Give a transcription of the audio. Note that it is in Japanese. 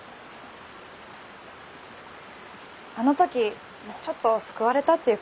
あの時ちょっと救われたっていうか。